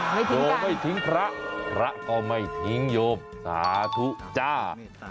โยมไม่ทิ้งพระพระก็ไม่ทิ้งโยมสาธุจ้า